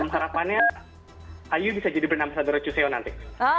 harapannya iu bisa jadi bernama sadara cucio nanti